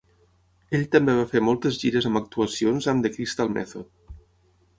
Ell també va fer moltes gires amb actuacions amb The Crystal Method.